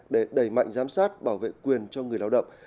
để đẩy mạnh giám sát bảo vệ quyền cho người lao động